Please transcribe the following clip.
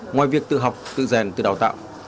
ngoài việc tự học tự rèn tự đào tạo